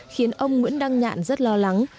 khiến ông nguyễn đăng nhạn rất lo lắng